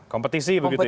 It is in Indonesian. kompetisi begitu ya